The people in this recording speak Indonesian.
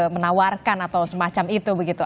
menawarkan atau semacam itu begitu